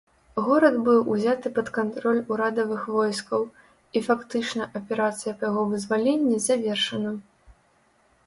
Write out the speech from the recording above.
Горад быў узяты пад кантроль урадавых войскаў і фактычна аперацыя па яго вызваленні завершана.